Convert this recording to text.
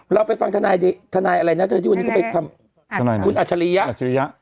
เราไปฟังธนายธนายอะไรเนี้ยจะจบอัตชาระอ่ะ